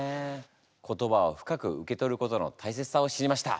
言葉を深く受け取ることの大切さを知りました。